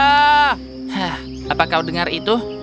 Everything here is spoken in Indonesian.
hah apa kau dengar itu